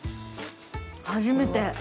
初めて！